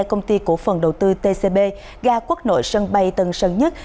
công ty cổ phần đầu tư tcb ga quốc nội sân bay tân sơn nhất